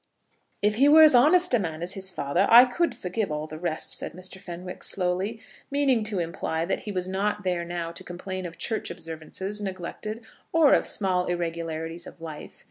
"If he were as honest a man as his father, I could forgive all the rest," said Mr. Fenwick slowly, meaning to imply that he was not there now to complain of church observances neglected, or of small irregularities of life.